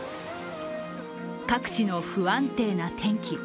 各地の不安定な天気。